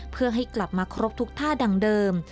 เพื่อให้กลับมาครบทุกท่าดังเดิม